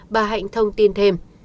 bà hạnh thông tin thêm